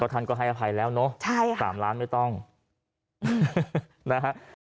ท่านก็ให้อภัยแล้วเนอะใช่ค่ะ๓ล้านไม่ต้องนะฮะ